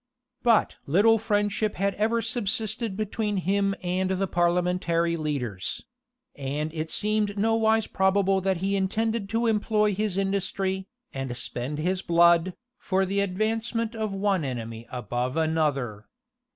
But little friendship had ever subsisted between him and the parliamentary leaders; and it seemed nowise probable that he intended to employ his industry, and spend his blood, for the advancement of ene enemy above another.